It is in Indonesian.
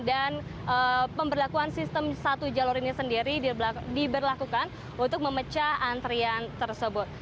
dan pemberlakuan sistem satu jalur ini sendiri diberlakukan untuk memecah antrian tersebut